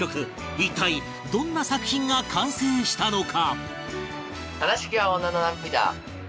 一体どんな作品が完成したのか？